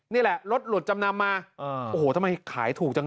นี่แหละรถหลุดจำนำมาโอ้โหทำไมขายถูกจัง